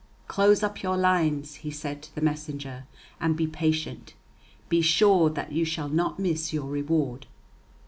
"Close up your lines," he said to the messenger, "and be patient. Be sure that you shall not miss your reward."